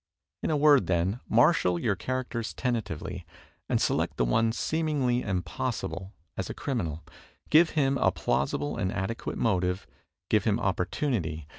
In a word, then, marshal your characters tentatively and select the one seemingly impossible as a criminal. Give him a. plausible and adequate motive. Give him opportunity.